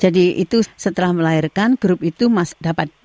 jadi itu setelah melahirkan grup itu masih dapat